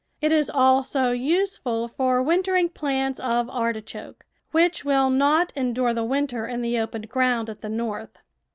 It is also useful for wintering plants of artichoke, which will not en dure the winter in the open ground at the North.